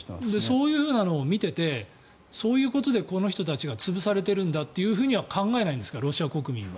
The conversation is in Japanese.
そういうのを見ていてそういうことでこの人たちが潰されているんだと考えないんですかロシア国民は。